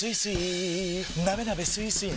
なべなべスイスイ